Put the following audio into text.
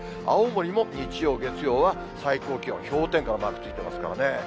青森も日曜、月曜は最高気温、氷点下のマークついてますからね。